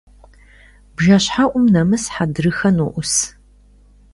БжэщхьэӀум нэмыс хьэдрыхэ ноӀус.